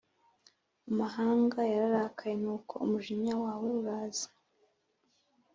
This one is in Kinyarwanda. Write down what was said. Amahanga yararakaye nuko umujinya wawe uraza,